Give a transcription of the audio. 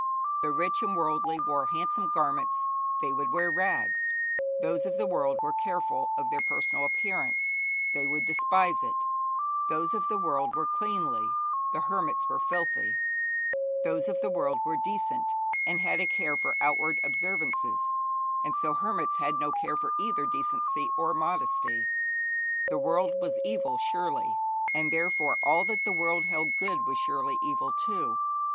The rich and worldly wore handsome garments, they would wear rags; those of the world were careful of their personal appearance, they would despise it; those of the world were cleanly, the hermits were filthy; those of the world were decent, and had a care for outward observances, and so hermits had no care for either decency or modesty. The world was evil, surely, and therefore all that the world held good was surely evil too.